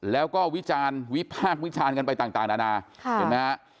แล้วก็วิจารณ์วิภาควิจารณ์กันไปต่างนานาเห็นมั้ยครับ